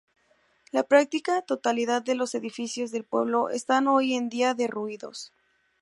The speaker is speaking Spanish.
La práctica totalidad de los edificios del pueblo están hoy en día derruidos.